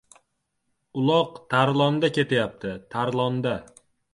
— Uloq Tarlonda ketayapti, Tarlonda!